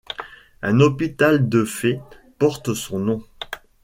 Un hôpital de Fès porte son nom.